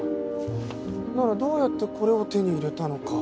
ならどうやってこれを手に入れたのか。